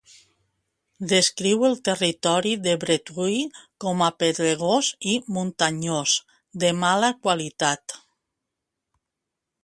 Descriu el territori de Bretui com a pedregós i muntanyós, de mala qualitat.